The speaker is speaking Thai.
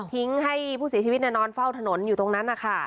ให้ผู้เสียชีวิตนอนเฝ้าถนนอยู่ตรงนั้นนะคะ